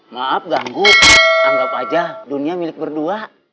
maaf ganggu anggap aja dunia milik berdua